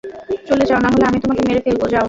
চলে যাও, নাহলে আমি তোমাকে মেরে ফেলবো, যাও!